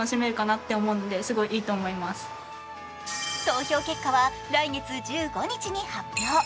投票結果は来月１５日に発表。